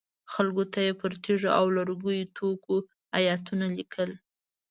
خلکو ته یې پر تیږو او لرګینو توکو ایتونه لیکل.